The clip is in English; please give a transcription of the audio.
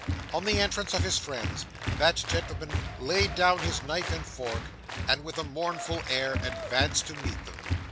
On the entrance of his friends, that gentleman laid down his knife and fork, and with a mournful air advanced to meet them.